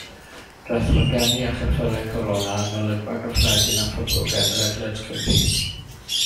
Daeth wagenni a cheffylau Corona yn olygfa gyffredin a phoblogaidd ledled Cymru.